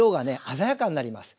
鮮やかになります。